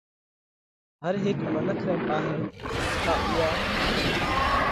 هر هيڪ منک رئہ پاهئہ ڪا اُوئا